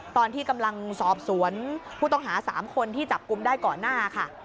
ตอนที่กำลังสอบสวนผู้ต้องหา๓คนที่จับกลุ่มได้ก่อนหน้าค่ะ